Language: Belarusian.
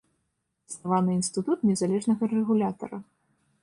Заснаваны інстытут незалежнага рэгулятара.